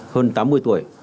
hơn tám mươi tuổi